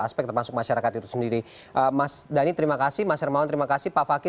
aspek termasuk masyarakat itu sendiri mas dhani terima kasih mas hermawan terima kasih pak fakih